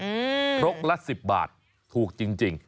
อืมทรกละ๑๐บาทถูกจริง